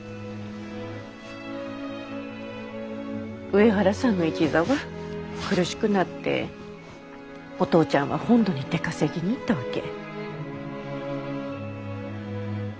上原さんの一座は苦しくなってお父ちゃんは本土に出稼ぎに行ったわけ。